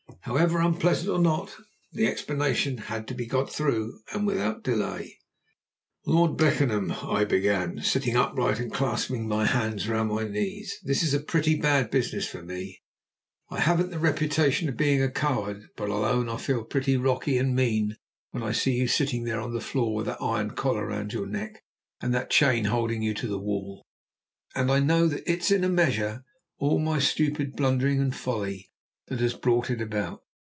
However, unpleasant or not, the explanation had to be got through, and without delay. "Lord Beckenham," I began, sitting upright and clasping my hands round my knees, "this is a pretty bad business for me. I haven't the reputation of being a coward, but I'll own I feel pretty rocky and mean when I see you sitting there on the floor with that iron collar round your neck and that chain holding you to the wall, and know that it's, in a measure, all my stupid, blundering folly that has brought it about."